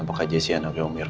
apakah jessy anaknya umir